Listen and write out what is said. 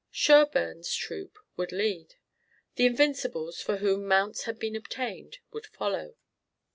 Sherburne's troop would lead. The Invincibles, for whom mounts had been obtained, would follow.